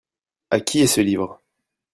À qui est ce livre ?